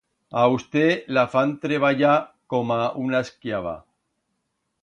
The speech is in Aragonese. A usté la fan treballar coma una esclava.